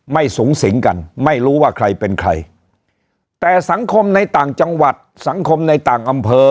ไม่สูงสิงกันไม่รู้ว่าใครเป็นใครแต่สังคมในต่างจังหวัดสังคมในต่างอำเภอ